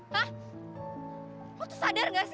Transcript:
hah aku tuh sadar gak sih